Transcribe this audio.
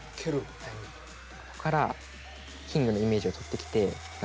ここからキングのイメージを取ってきてなでると。